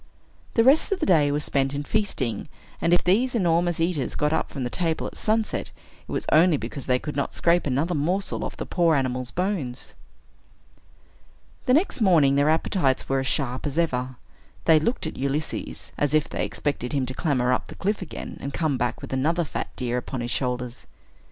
The rest of the day was spent in feasting; and if these enormous eaters got up from table at sunset, it was only because they could not scrape another morsel off the poor animal's bones. The next morning, their appetites were as sharp as ever. They looked at Ulysses, as if they expected him to clamber up the cliff again, and come back with another fat deer upon his shoulders.